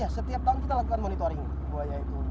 ya setiap tahun kita lakukan monitoring buaya itu